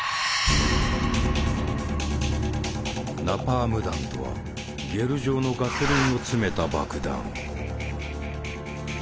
ナパーム弾とはゲル状のガソリンを詰めた爆弾。